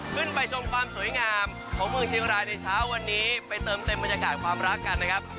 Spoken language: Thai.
ไปชมความสวยงามของเมืองเชียงรายในเช้าวันนี้ไปเติมเต็มบรรยากาศความรักกันนะครับ